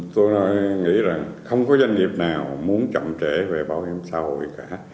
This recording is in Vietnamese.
tôi nghĩ là không có doanh nghiệp nào muốn chậm trễ về bảo hiểm xã hội cả